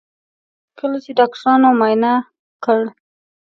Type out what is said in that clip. کله چې ډاکټرانو معاینه کړ.